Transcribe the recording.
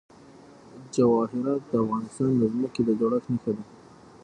جواهرات د افغانستان د ځمکې د جوړښت نښه ده.